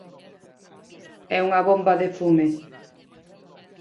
É unha bomba de fume.